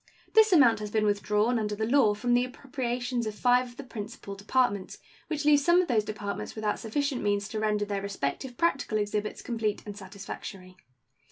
This amount has been withdrawn, under the law, from the appropriations of five of the principal Departments, which leaves some of those Departments without sufficient means to render their respective practical exhibits complete and satisfactory.